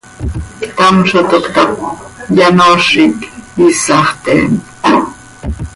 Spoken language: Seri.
Ctam zo toc cötap, yanoozic, iisax theemt.